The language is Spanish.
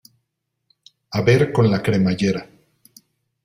a ver con la cremallera.